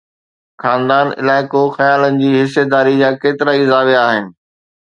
خاندان، علائقو، خيالن جي حصيداري جا ڪيترائي زاويه آهن.